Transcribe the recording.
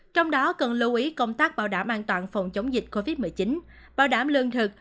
trong đó cần lưu ý công tác bảo đảm an toàn phòng chống dịch covid một mươi chín bảo đảm lương thực